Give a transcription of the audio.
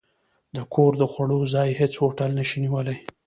د کور د خوړو، ځای هېڅ هوټل نه شي نیولی.